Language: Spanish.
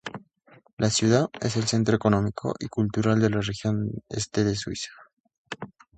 La ciudad es el centro económico y cultural de la región este de Suiza.